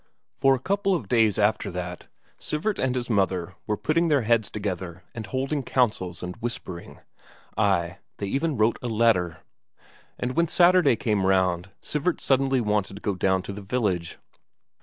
For a couple of days after that, Sivert and his mother were putting their heads together and holding councils and whispering ay, they even wrote a letter. And when Saturday came round Sivert suddenly wanted to go down to the village.